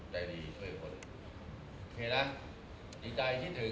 ตายไปก็เป็นผีทหาร